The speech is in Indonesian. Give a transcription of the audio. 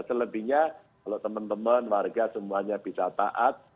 selebihnya kalau teman teman warga semuanya bisa taat